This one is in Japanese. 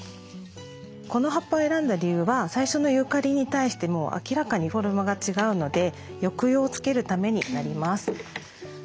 この葉っぱを選んだ理由は最初のユーカリに対してもう明らかにフォルムが違うので抑揚をつけるためになります。